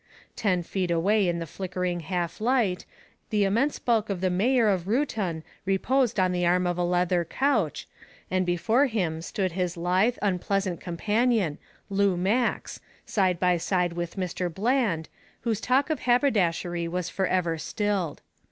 Ten feet away in the flickering half light, the immense bulk of the mayor of Reuton reposed on the arm of a leather couch, and before him stood his lithe unpleasant companion, Lou Max, side by side with Mr. Bland, whose talk of haberdashery was forever stilled.